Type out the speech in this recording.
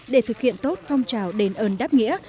để thực hiện tốt phong trào đền ơn đáp nghĩa